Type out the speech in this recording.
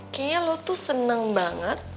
kayaknya lo tuh senang banget